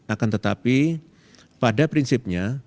akan tetapi pada prinsipnya